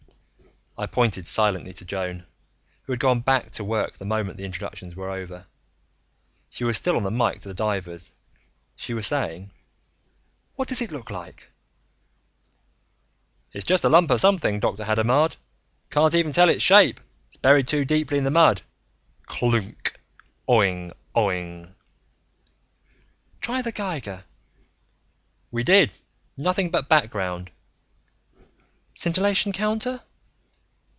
I pointed silently to Joan, who had gone back to work the moment the introductions were over. She was still on the mike to the divers. She was saying: "What does it look like?" "It's just a lump of something, Dr. Hadamard. Can't even tell its shape it's buried too deeply in the mud." Cloonk ... Oing, oing ... "Try the Geiger." "We did. Nothing but background." "Scintillation counter?"